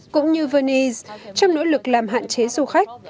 cũng như venice trong nỗ lực làm hạn chế du khách